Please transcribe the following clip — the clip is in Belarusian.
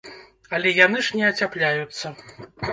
Але яны ж не ацяпляюцца.